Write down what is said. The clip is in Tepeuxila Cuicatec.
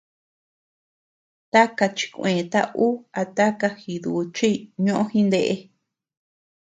Taka chikueta ú a taka jiduchiy ñoʼo jindeʼe.